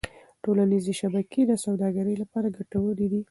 ټولنيزې شبکې د سوداګرۍ لپاره ګټورې دي.